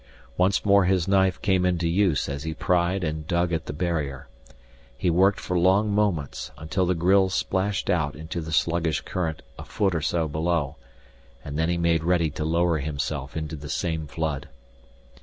Once more his knife came into use as he pried and dug at the barrier. He worked for long moments until the grille splashed out into the sluggish current a foot or so below, and then he made ready to lower himself into the same flood.